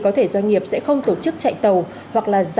có thể doanh nghiệp sẽ không tổ chức chạy tàu hoặc là giảm số lượng tàu